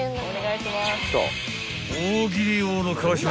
［大喜利王の川島ちゃん